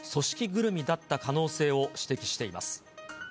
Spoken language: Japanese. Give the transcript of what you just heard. ぐるみだった可能性を指摘しています。